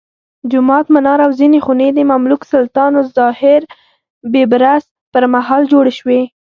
جومات، منار او ځینې خونې د مملوک سلطان الظاهر بیبرس پرمهال جوړې شوې.